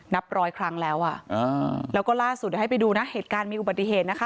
นับร้อยครั้งแล้วอ่ะอ่าแล้วก็ล่าสุดเดี๋ยวให้ไปดูนะเหตุการณ์มีอุบัติเหตุนะคะ